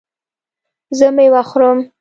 زه میوه خورم